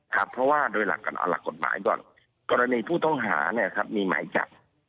ครับเพราะว่าโดยหลักการเอาหลักกฎหมายก่อนกรณีผู้ต้องหาเนี่ยครับมีหมายจับ